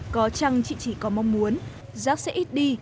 có chăng chị chỉ có mong muốn rác sẽ ít đi